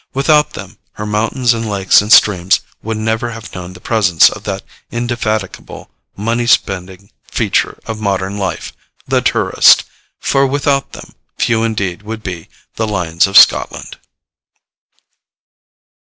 Without them, her mountains and lakes and streams would never have known the presence of that indefatigable, money spending feature of modern life the tourist; for, without them, few indeed would be the Lions of Scotland.